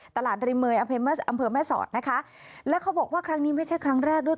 ริเมย์อำเภอแม่สอดนะคะแล้วเขาบอกว่าครั้งนี้ไม่ใช่ครั้งแรกด้วย